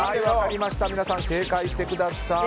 皆さん、正解してください。